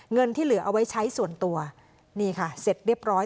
เงินที่เหลือเอาไว้ใช้ส่วนตัวนี่ค่ะเสร็จเรียบร้อย